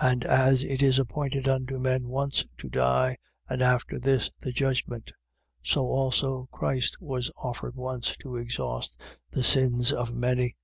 9:27. And as it is appointed unto men once to die, and after this the judgment: 9:28. So also Christ was offered once to exhaust the sins of many.